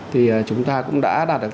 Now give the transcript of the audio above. thì chúng ta cũng đã đạt được